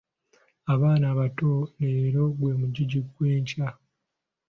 Abaana abato leero gwe mugigi gw'enkya.